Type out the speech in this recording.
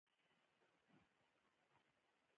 احمد د ازموینې په وخت درس ولوست.